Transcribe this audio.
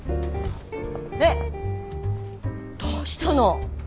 えっどうしたの？